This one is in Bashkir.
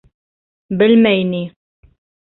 Белмәй ни!